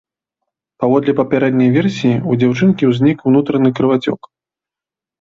Паводле папярэдняй версіі, у дзяўчынкі ўзнік унутраны крывацёк.